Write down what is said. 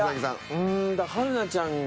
うん春菜ちゃんが。